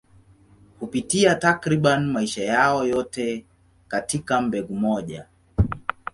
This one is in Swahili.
Hupitia takriban maisha yao yote katika mbegu moja.